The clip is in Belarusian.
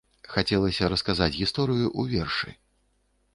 Хацелася расказаць гісторыю ў вершы.